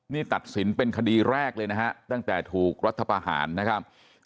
นี่ตัดสินเป็นคดีแรกเลยนะฮะตั้งแต่ถูกรัฐประหารนะครับ